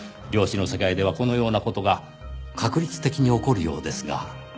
量子の世界ではこのような事が確率的に起こるようですが。